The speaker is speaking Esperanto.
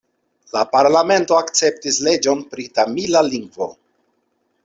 La parlamento akceptis leĝon pri tamila lingvo.